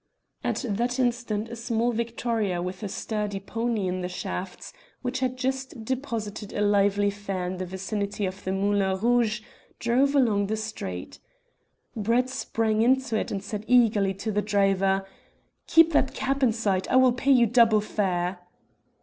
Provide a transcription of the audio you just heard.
At that instant a small victoria with a sturdy pony in the shafts, which had just deposited a lively fare in the vicinity of the Moulin Rouge, drove along the street. Brett sprang into it and said eagerly to the driver "Keep that cab in sight! I will pay you double fare!"